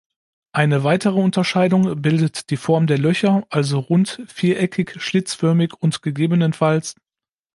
Eine weitere Unterscheidung bildet die Form der Löcher, also rund, viereckig, schlitzförmig und ggf.